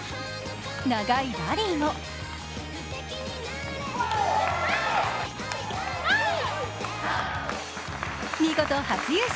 長いラリーも見事、初優勝。